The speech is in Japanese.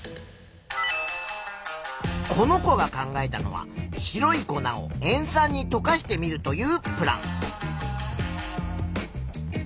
この子が考えたのは白い粉を塩酸にとかしてみるというプラン。